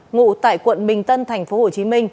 ngụ tại quận bình tân tp hcm